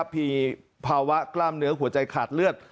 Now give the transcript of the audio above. มีภาวะกล้ามเนื้อหัวใจขาดเลือด